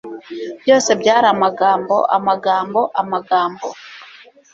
byose byari amagambo, amagambo, amagambo